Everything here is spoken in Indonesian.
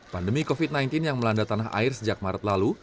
pandemi covid sembilan belas yang melanda tanah air sejak maret lalu